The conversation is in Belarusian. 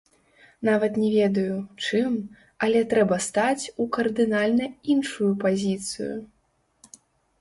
Нават не ведаю, чым, але трэба стаць у кардынальна іншую пазіцыю!